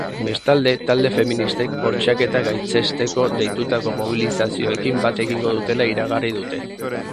Bestalde, talde feministek bortxaketa gaitzesteko deitutako mobilizazioekin bat egingo dutela iragarri dute.